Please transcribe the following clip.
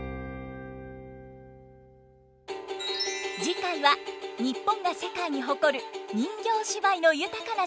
次回は日本が世界に誇る人形芝居の豊かな世界にご招待。